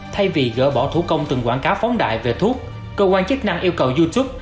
thay vì gỡ bỏ thủ công từng quảng cáo phóng đại về thuốc cơ quan chức năng yêu cầu youtube